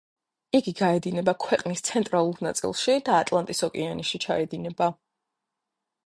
იგი გაედინება ქვეყნის ცენტრალურ ნაწილში და ატლანტის ოკეანეში ჩაედინება.